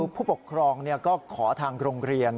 ผู้ปกครองก็ขอทางโรงเรียน